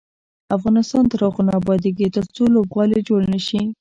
افغانستان تر هغو نه ابادیږي، ترڅو لوبغالي جوړ نشي.